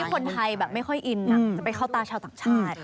ใครแบบไม่ค่อยอินจะไปเข้าตาชาวศักดิ์ชาติ